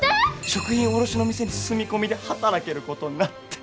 食品卸の店に住み込みで働けることになって。